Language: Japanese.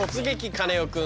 カネオくん」。